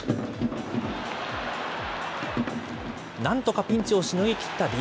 なんとかピンチをしのぎ切ったＤｅＮＡ。